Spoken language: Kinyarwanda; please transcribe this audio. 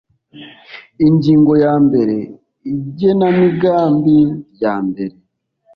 ingingo ya mbere igenamigambi ryambere